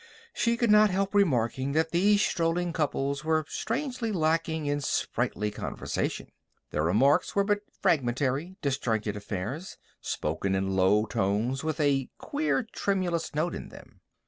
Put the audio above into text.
She could not help remarking that these strolling couples were strangely lacking in sprightly conversation. Their remarks were but fragmentary, disjointed affairs, spoken in low tones with a queer, tremulous note in them.